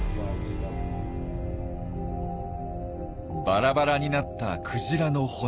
バラバラになったクジラの骨。